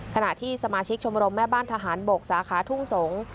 ขณะที่สมาชิกชมรมแม่บ้านทหารบกสาขาทุ่งสงศ์